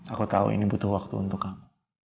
aku tahu ini butuh waktu untuk kamu